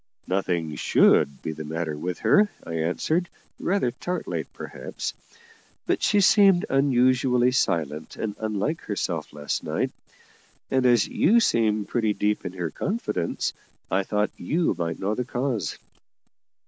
"Nothing should be the matter with her," I answered, rather tartly perhaps; "but she seemed unusually silent and unlike herself last night: and, as you seem pretty deep in her confidence, I thought you might know the cause."